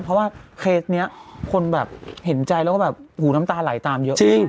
เพราะว่าเคสนี้คนแบบเห็นใจแล้วก็แบบหูน้ำตาไหลตามเยอะจริง